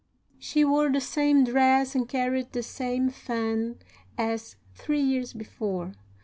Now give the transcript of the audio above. "'She wore the same dress and carried the same fan as three years before.